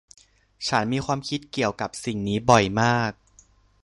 ฉันมีความคิดเกี่ยวกับสิ่งนี้บ่อยมาก